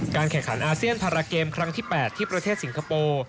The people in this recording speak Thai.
แข่งขันอาเซียนพาราเกมครั้งที่๘ที่ประเทศสิงคโปร์